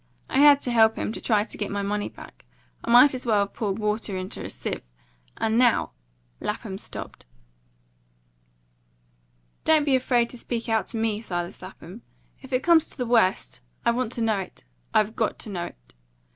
I had to help him to try to get my money back. I might as well poured water into a sieve. And now " Lapham stopped. "Don't be afraid to speak out to me, Silas Lapham. If it comes to the worst, I want to know it I've got to know it.